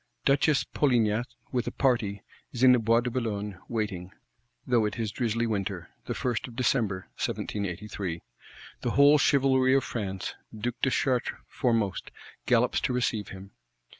Duchess Polignac, with a party, is in the Bois de Boulogne, waiting; though it is drizzly winter; the 1st of December 1783. The whole chivalry of France, Duke de Chartres foremost, gallops to receive him.